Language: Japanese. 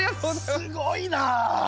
すごいなあ。